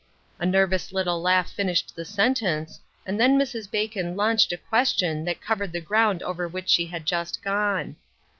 A nervous little laugh fin ished the sentence, and then Mrs. Bacon launched a question that covered the ground over which she had just gone.